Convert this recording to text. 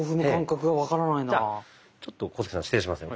じゃあちょっと浩介さん失礼しますね。